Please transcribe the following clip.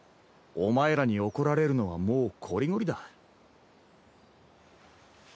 お前らに怒られるのはもうこりごりだ。